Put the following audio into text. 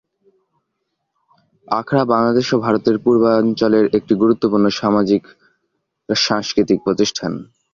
আখড়া বাংলাদেশ ও ভারতের পূর্বাঞ্চলের একটি গুরুত্বপূর্ণ সামাজিক-সাংস্কৃতিক প্রতিষ্ঠান।